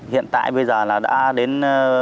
hiện tại bây giờ là đã đến